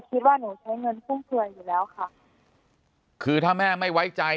คิดว่าหนูใช้เงินฟุ่มเฟือยอยู่แล้วค่ะคือถ้าแม่ไม่ไว้ใจ